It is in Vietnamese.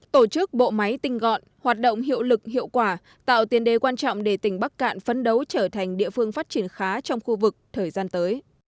tổ chức bộ máy tinh gọn hoạt động hiệu lực hiệu quả tạo tiền đề quan trọng để tỉnh bắc cạn phấn đấu trở thành địa phương phát triển khá trong khu vực thời gian tới